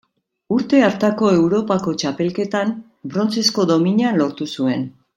Urte hartako Europako Txapelketan brontzezko domina lortu zuen.